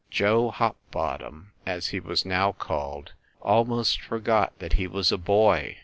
Joe Hop bottom, as he was now called, almost forgot that he was a boy.